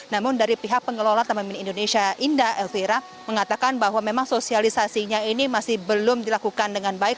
namun dari pihak pengelola taman mini indonesia indah elvira mengatakan bahwa memang sosialisasinya ini masih belum dilakukan dengan baik